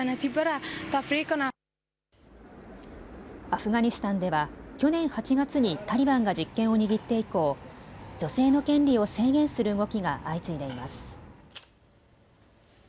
アフガニスタンでは去年８月にタリバンが実権を握って以降、女性の権利を制限する動きが相次いでいます。